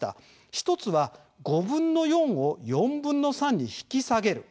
１つは５分の４を４分の３に引き下げる。